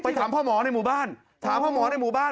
ถามพ่อหมอในหมู่บ้านถามพ่อหมอในหมู่บ้าน